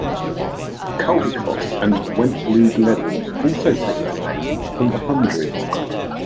The Caldicot and Wentloog Levels also take their name from the hundred.